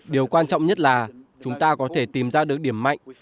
điều quan trọng nhất là chúng ta có thể tìm ra được điểm mạnh